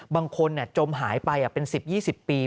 บางคนจมหายไปเป็น๑๐๒๐ปี